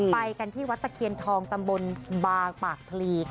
ไปกันที่วัฏ่เขียนทองตำบลบาปลี